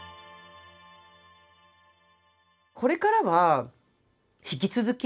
これからは引き続き。